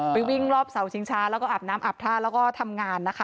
วิ่งรอบเสาชิงช้าแล้วก็อาบน้ำอาบท่าแล้วก็ทำงานนะคะ